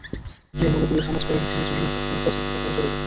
আমি মনে করি, সমাজ পরিবর্তনের জন্য এসব সমস্যা চিহ্নিত করা জরুরি।